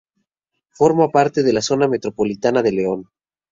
Forma parte de la Zona Metropolitana de León.